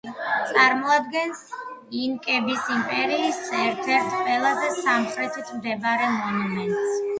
წარმოადგენს ინკების იმპერიის ერთ-ერთ ყველაზე სამხრეთით მდებარე მონუმენტს.